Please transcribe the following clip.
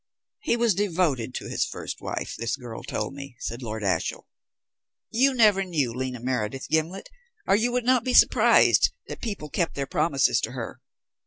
"He was devoted to his first wife, this girl told me," said Lord Ashiel. "You never knew Lena Meredith, Gimblet, or you would not be surprised that people kept their promises to her.